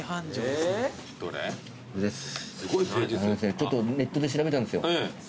ちょっとネットで調べたんですよ。